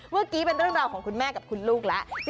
เมื่อกี้เป็นเรื่องราวของคุณแม่กับคุณลูกแล้ว